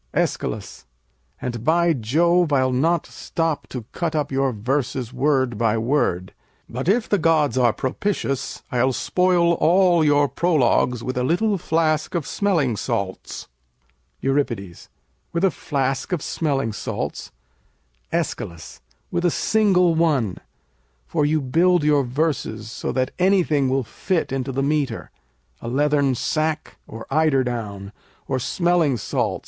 ] Æschylus And by Jove, I'll not stop to cut up your verses word by word, but if the gods are propitious I'll spoil all your prologues with a little flask of smelling salts. Euripides With a flask of smelling salts? Æsch. With a single one. For you build your verses so that anything will fit into the metre, a leathern sack, or eider down, or smelling salts.